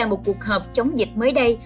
trong một cuộc họp chống dịch mới đây